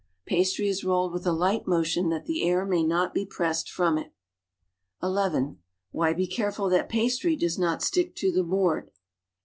Pastry is rolled with a light motion that the air may not be pressed from it. (11) Why be careful that pastry does not stick to the board?